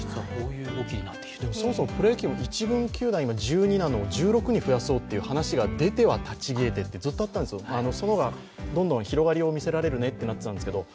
そもそもプロ野球の１軍球団、今が１２なのを１６に増やそうという話が出てはたち消えてというのがあったんですがその方がどんどん広がりを見せられるねってなってたんですけど、